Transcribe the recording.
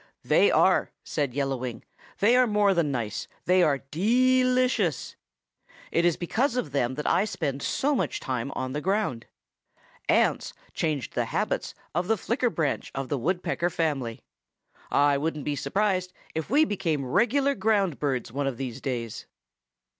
"They are," said Yellow Wing. "They are more than nice they are de li cious. It is because of them that I spend so much time on the ground. Ants changed the habits of the Flicker branch of the Woodpecker family. I wouldn't be surprised if we became regular ground birds one of these days."